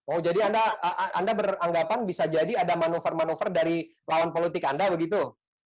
oh jadi anda beranggapan bisa jadi ada manuver manuver dari lawan politik anda begitu